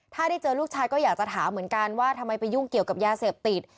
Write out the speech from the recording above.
ถ้าได้เจอลูกชายก็อยากจะถามเหมือนกันว่าทำไมไปยุ่งเกี่ยวกับยาเสพติด